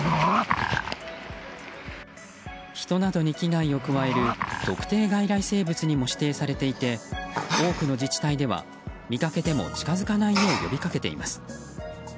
人などに危害を加える特定外来生物にも指定されていて多くの自治体では見かけても近づかないよう呼びかけています。